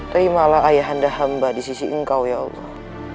terimalah ayah anda hamba di sisi engkau ya allah